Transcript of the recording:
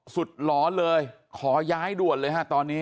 หลอนเลยขอย้ายด่วนเลยฮะตอนนี้